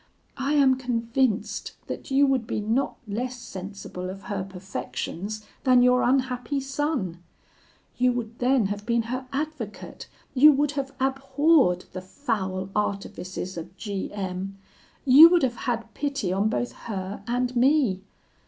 I am convinced that you would be not less sensible of her perfections than your unhappy son. You would then have been her advocate; you would have abhorred the foul artifices of G M ; you would have had pity on both her and me.